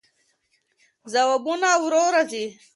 ځوابونه ورو راځي.